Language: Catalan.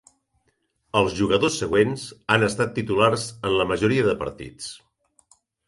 Els jugadors següents han estat titulars en la majoria de partits.